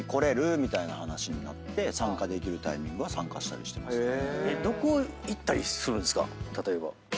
みたいな話になって参加できるタイミングは参加したりしてますね。